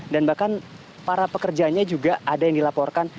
dan bahkan para pekerjaannya juga ada yang dilaporkan